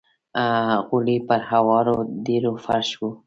غولی پر هوارو ډبرو فرش و.